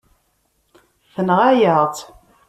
Tenɣa-yaɣ-tt.